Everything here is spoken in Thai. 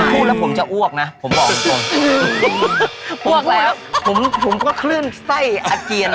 พูดแล้วผมจะอ้วกนะผมบอกจริง